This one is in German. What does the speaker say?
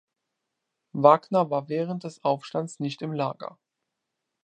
Wagner war während des Aufstands nicht im Lager.